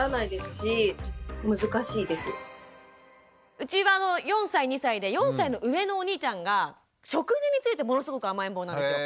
うちは４歳２歳で４歳の上のお兄ちゃんが食事についてものすごく甘えん坊なんですよ。